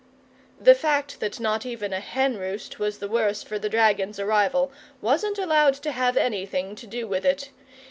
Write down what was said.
The fact that not even a hen roost was the worse for the dragon's arrival wasn't allowed to have anything to do with it.